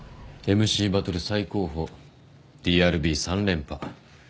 ＭＣバトル最高峰ＤＲＢ３連覇。